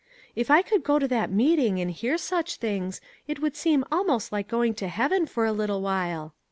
If I could go to that meeting and hear such things, it would seem almost like going to heaven for a little while.